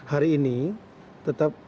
hari ini tetap